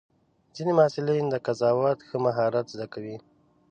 ځینې محصلین د قضاوت ښه مهارت زده کوي.